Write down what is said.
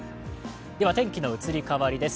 天気の移り変わりです。